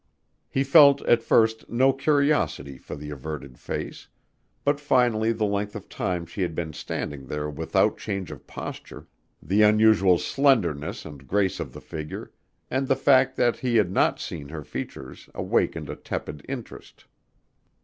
He felt, at first, no curiosity for the averted face, but finally the length of time she had been standing there without change of posture, the unusual slenderness and grace of the figure, and the fact that he had not seen her features awakened a tepid interest.